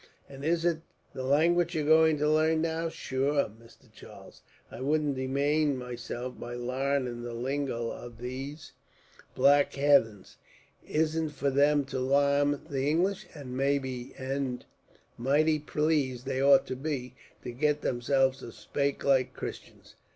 And is it the language you're going to larn now? Shure, Mr. Charles, I wouldn't demane myself by larning the lingo of these black hathens. Isn't for them to larn the English, and mighty pleased they ought to be, to get themselves to spake like Christians."